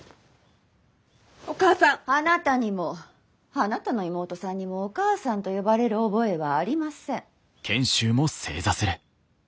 あなたにもあなたの妹さんにもお義母さんと呼ばれる覚えはありません。